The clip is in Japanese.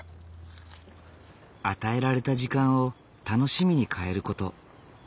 与えられた時間を楽しみに変える事。